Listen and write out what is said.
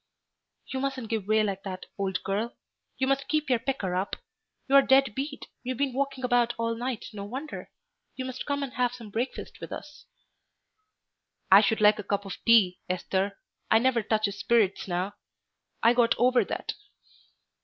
"You mustn't give way like that, old girl. You must keep yer pecker up. You're dead beat.... You've been walking about all night, no wonder. You must come and have some breakfast with us." "I should like a cup of tea, Esther. I never touches spirits now. I got over that."